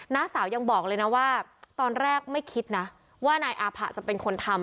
สาวยังบอกเลยนะว่าตอนแรกไม่คิดนะว่านายอาผะจะเป็นคนทำ